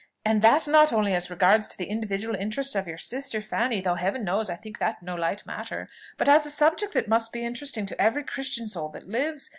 and that not only as regards the individual interests of your sister Fanny, though, Heaven knows, I think that no light matter, but as a subject that must be interesting to every Christian soul that lives.